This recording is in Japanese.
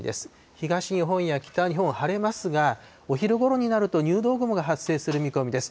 東日本や北日本は晴れますが、お昼ごろになると、入道雲が発生する見込みです。